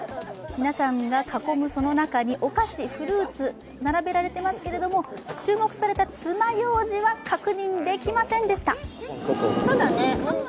皆さんが囲むその中にお菓子、フルーツ、並べられていますけれども注目された、つまようじは確認できませんでした。